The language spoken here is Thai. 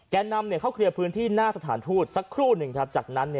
นำเข้าเคลียร์พื้นที่หน้าสถานทูตสักครู่หนึ่งครับจากนั้น